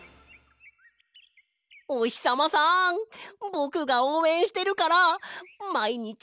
おひさまさんぼくがおうえんしてるからまいにち